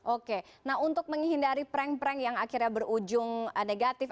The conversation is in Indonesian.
oke nah untuk menghindari prank prank yang akhirnya berujung negatif